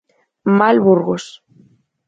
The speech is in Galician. Mal Burgos.